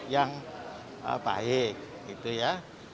yang baik gitu ya